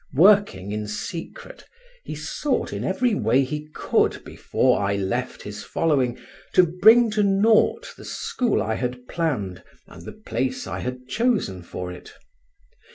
Working in secret, he sought in every way he could before I left his following to bring to nought the school I had planned and the place I had chosen for it.